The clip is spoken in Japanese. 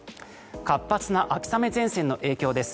活発な秋雨前線の影響です。